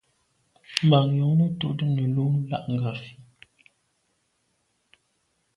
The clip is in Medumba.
Mbàŋ jɔ̌ŋnə́ túʼdə́ nə̀ lú láʼ ngrāfí.